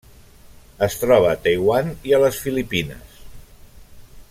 Es troba a Taiwan i a les Filipines.